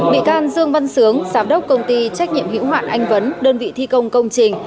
bị can dương văn sướng giám đốc công ty trách nhiệm hữu hoạn anh vấn đơn vị thi công công trình